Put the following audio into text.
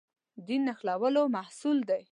دین نښلولو محصول دی.